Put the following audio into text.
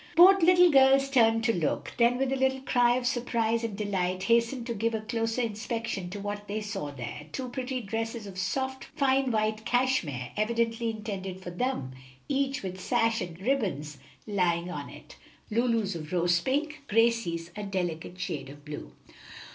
Both little girls turned to look, then with a little cry of surprise and delight hastened to give a closer inspection to what they saw there two pretty dresses of soft, fine white cashmere, evidently intended for them, each with sash and ribbons lying on it, Lulu's of rose pink, Gracie's a delicate shade of blue.